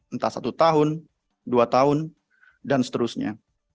entah satu tahun dua tahun dan seterusnya